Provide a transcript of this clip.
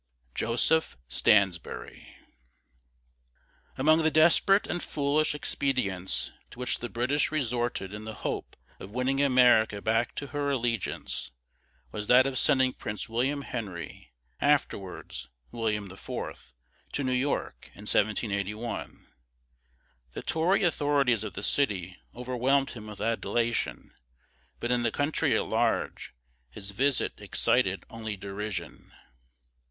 JOSEPH STANSBURY. Among the desperate and foolish expedients to which the British resorted in the hope of winning America back to her allegiance was that of sending Prince William Henry, afterwards William IV, to New York in 1781. The Tory authorities of the city overwhelmed him with adulation, but in the country at large, his visit excited only derision.